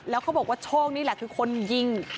แล้วเขาบอกว่าโชคนี่แหละคือคนยิง